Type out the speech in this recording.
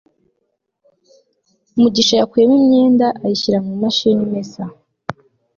mugisha yakuyemo imyenda ayishyira mu mashini imesa